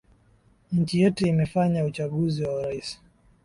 nchi yetu imefanya uchaguzi wa urais